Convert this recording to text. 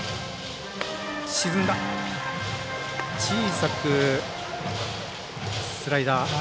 小さくスライダー。